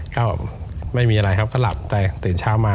ก็ไม่มีอะไรครับก็หลับแต่ตื่นเช้ามา